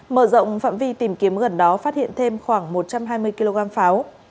mở rộng phạm vi tìm kiếm gần đó phát hiện thêm khoảng một trăm hai mươi kg pháo